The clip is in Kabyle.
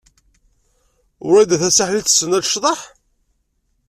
Wrida Tasaḥlit tessen ad tecḍeḥ?